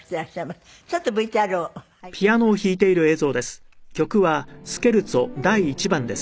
ちょっとＶＴＲを拝見します。